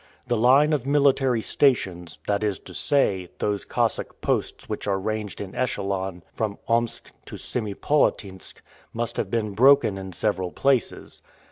The line of military stations, that is to say, those Cossack posts which are ranged in echelon from Omsk to Semipolatinsk, must have been broken in several places.